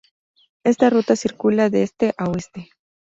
Esta ruta circula de este a oeste.